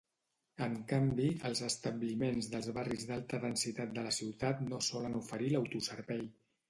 En canvi, els establiments dels barris d'alta densitat de la ciutat no solen oferir l'autoservei.